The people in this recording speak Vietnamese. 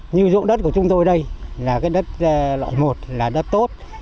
như dụng đất của chúng tôi đây là cái đất loại một là đất tốt